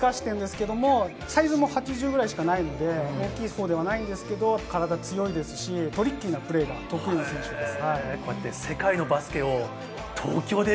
スピードを生かしているんですけど、サイズも８０ぐらいしかないので、大きいほうではないですけど体が強いですし、トリッキーなプレーが得意な選手です。